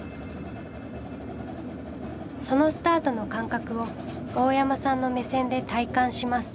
そのスタートの感覚を大山さんの目線で体感します。